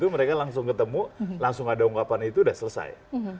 mereka langsung ketemu langsung ada ungkapan itu sudah selesai